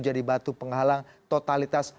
jadi batu penghalang totalitas